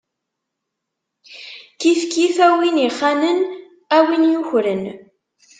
Kifkif, a win ixanen, a win yukren.